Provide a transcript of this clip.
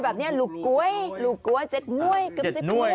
แบบเนี่ยลูกกล้วยลูกกล้วยเจ็ดน้วยเกือบสิบน้วย